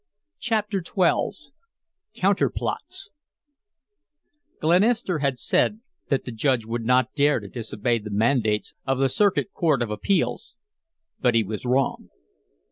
CHAPTER XII COUNTERPLOTS Glenister had said that the Judge would not dare to disobey the mandates of the Circuit Court of Appeals, but he was wrong.